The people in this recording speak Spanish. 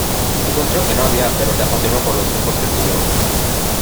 Encontró que no había, pero se apasionó por los grupos que estudió.